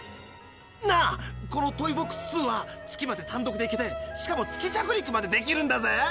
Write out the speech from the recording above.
なあこのトイボックス２は月まで単独で行けてしかも月着陸までできるんだぜ。